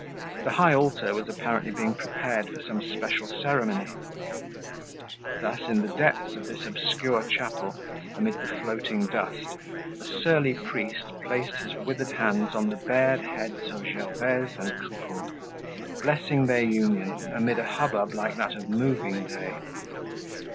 The high altar was apparently being prepared for some special ceremony. Thus, in the depths of this obscure chapel, amid the floating dust, the surly priest placed his withered hands on the bared heads of Gervaise and Coupeau, blessing their union amid a hubbub like that of moving day.